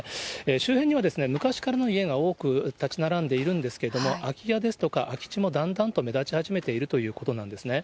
周辺には昔からの家が多く建ち並んでいるんですけれども、空き家ですとか空地もだんだんと目立ち始めているということなんですね。